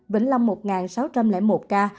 vĩnh lâm một sáu trăm linh một ca